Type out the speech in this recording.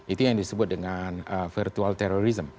itu yang disebut dengan virtual terrorism